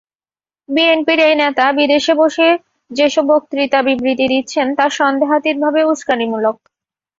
বিএনপির এই নেতা বিদেশে বসে যেসব বক্তৃতাবিবৃতি দিচ্ছেন, তা সন্দেহাতীতভাবে উসকানিমূলক।